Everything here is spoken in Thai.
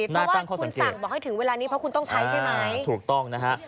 นั่นนะสิเพราะว่าคุณสั่งบอกให้ถึงเวลานี้เพราะคุณต้องใช้ใช่ไหมน่าตั้งข้อสังเกตถูกต้องนะฮะ